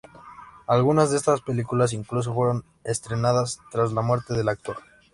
Algunas de estas películas incluso fueron estrenadas tras la muerte del actor.